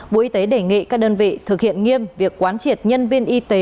bộ y tế đề nghị các đơn vị thực hiện nghiêm việc quán triệt nhân viên y tế